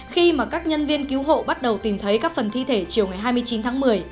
khi mà các nhân viên cứu hộ bắt đầu tìm thấy các phần thi thể chiều ngày hai mươi chín tháng một mươi